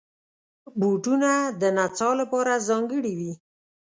بوټونه د نڅا لپاره ځانګړي وي.